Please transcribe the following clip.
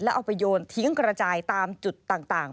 เอาไปโยนทิ้งกระจายตามจุดต่าง